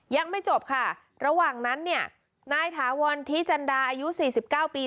ยังไม่จบค่ะระหว่างนั้นเนี่ยนายถาวรทิจันดาอายุ๔๙ปี